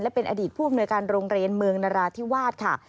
เป็นอดีตผู้อำนวยการโรงเรียนเมืองนราธิวาสค่ะ